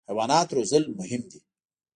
حیوانات روزل مهم دي.